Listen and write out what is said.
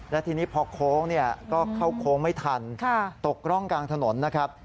และทีนี้พอโค้งก็เข้าโค้งไม่ทันตกร่องกลางถนนนะครับ